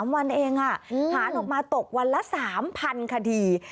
๓วันเองหารบมาตกวันละ๓๐๐๐คดี